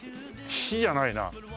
「菱」じゃないな。